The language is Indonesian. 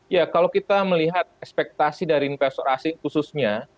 ya kalau kita melihat ekspektasi dari investor asing khususnya